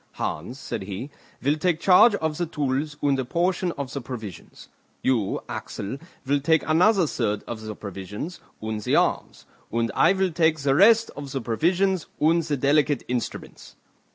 "Hans," said he, "will take charge of the tools and a portion of the provisions; you, Axel, will take another third of the provisions, and the arms; and I will take the rest of the provisions and the delicate instruments."